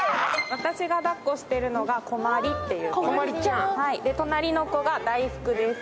私がだっこしてるのが、こまりっていいます。